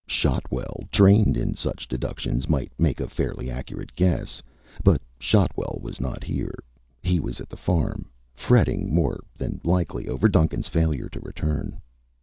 Shotwell, trained in such deductions, might make a fairly accurate guess, but Shotwell was not here. He was at the farm, fretting, more than likely, over Duncan's failure to return.